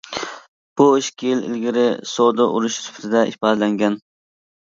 بۇ ئىككى يىل ئىلگىرى سودا ئۇرۇشى سۈپىتىدە ئىپادىلەنگەن.